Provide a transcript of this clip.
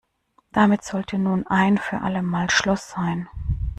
Damit sollte nun ein für alle Mal Schluss sein.